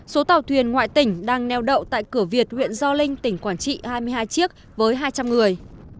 số tàu thuyền ngoại tỉnh đang neo đậu tại cửa việt huyện gio linh tỉnh quảng trị hai mươi hai chiếc với hai trăm linh người